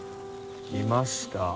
いました。